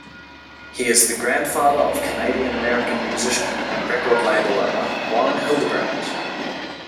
He is the grandfather of Canadian-American musician and record label owner Warren Hildebrand.